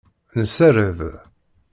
Nessared.